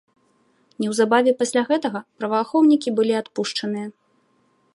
Неўзабаве пасля гэтага праваахоўнікі былі адпушчаныя.